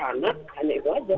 hanya itu saja